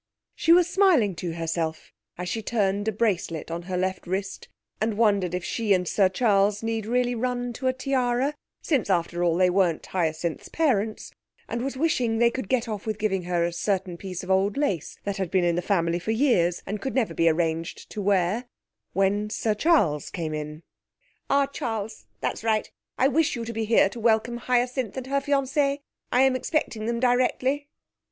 She was smiling to herself as she turned a bracelet on her left wrist, and wondered if she and Sir Charles need really run to a tiara, since after all they weren't Hyacinth's parents, and was wishing they could get off with giving her a certain piece of old lace that had been in the family for years, and could never be arranged to wear, when Sir Charles came in. 'Ah, Charles, that's right. I wish you to be here to welcome Hyacinth and her fiancé. I'm expecting them directly.'